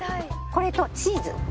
これとチーズ。